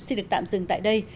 xin được tạm dừng tại đây